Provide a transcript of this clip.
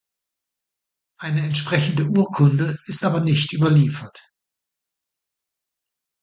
Eine entsprechende Urkunde ist aber nicht überliefert.